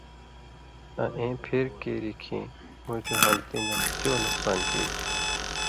آں ایں پھیر کیریۡ کھیں مُوٹھیۡ حالتی نہ چو نقصان کیریۡ تھی۔